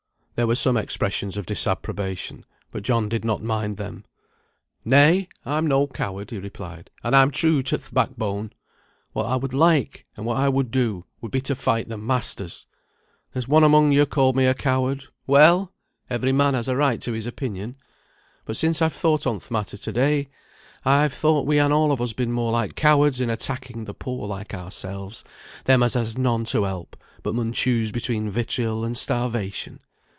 There were some expressions of disapprobation, but John did not mind them. "Nay! I'm no coward," he replied, "and I'm true to th' backbone. What I would like, and what I would do, would be to fight the masters. There's one among yo called me a coward. Well! every man has a right to his opinion; but since I've thought on th' matter to day, I've thought we han all on us been more like cowards in attacking the poor like ourselves; them as has none to help, but mun choose between vitriol and starvation.